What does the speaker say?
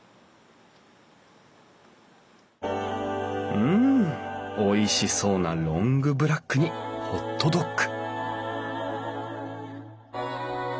うんおいしそうなロングブラックにホットドッグ！